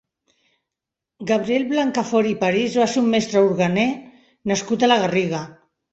Gabriel Blancafort i París va ser un mestre orguener nascut a la Garriga.